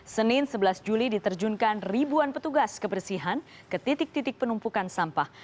senin sebelas juli diterjunkan ribuan petugas kebersihan ke titik titik penumpukan sampah